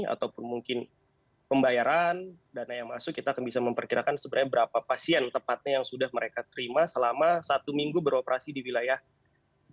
ataupun mungkin pembayaran dana yang masuk kita akan bisa memperkirakan sebenarnya berapa pasien tepatnya yang sudah mereka terima selama satu minggu beroperasi di wilayah tersebut